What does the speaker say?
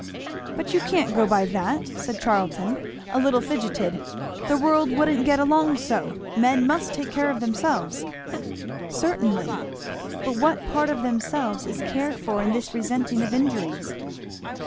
"But you can't go by that," said Charlton a little fidgeted; "the world wouldn't get along so; men must take care of themselves." "Certainly. But what part of themselves is cared for in this resenting of injuries?"